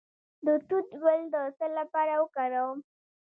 د توت ګل د څه لپاره وکاروم؟